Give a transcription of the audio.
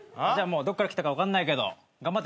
どっから来たか分かんないけど頑張って帰って。